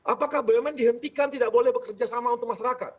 apakah bumn dihentikan tidak boleh bekerja sama untuk masyarakat